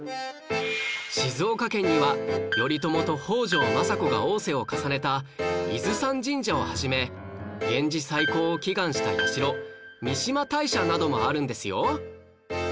静岡県には頼朝と北条政子が逢瀬を重ねた伊豆山神社を始め源氏再興を祈願した社三嶋大社などもあるんですよ